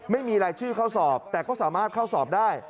ไม่มีรายชื่อเข้าสอบแต่ก็สามารถเข้าสอบได้